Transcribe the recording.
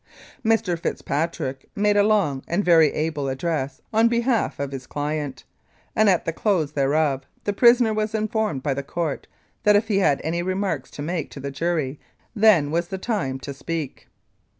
Mr. Fitzpatrick made a very long and very able address on behalf of his client, and at the close thereof the prisoner was informed by the Court that if he had any remarks to make to the jury then was the time to speak.